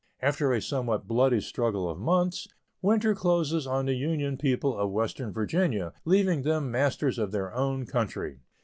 After a somewhat bloody struggle of months, winter closes on the Union people of western Virginia, leaving them masters of their own country.